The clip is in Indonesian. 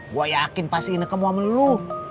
gue yakin pasti ineke mau sama lo